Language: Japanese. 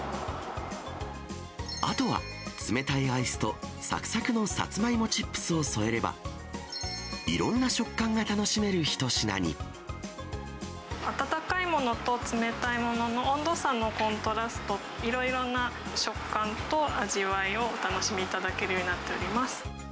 あとは冷たいアイスとさくさくのさつまいもチップスを添えれば、いろんな食感が楽しめる一品に。温かいものと冷たいものの温度差のコントラスト、いろいろな食感と、味わいをお楽しみいただけるようになっております。